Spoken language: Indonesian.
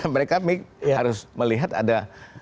mereka harus melihat ada